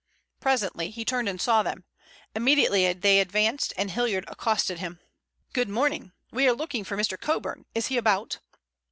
Presently he turned and saw them. Immediately they advanced and Hilliard accosted him. "Good morning. We are looking for Mr. Coburn. Is he about?"